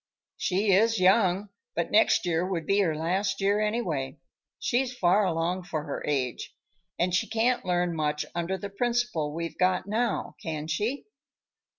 "She is young, but next year would be her last year anyway. She's far along for her age. And she can't learn much under the principal we've got now, can she?"